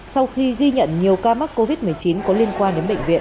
sau khi ghi nhận nhiều ca mắc covid một mươi chín có liên quan đến bệnh viện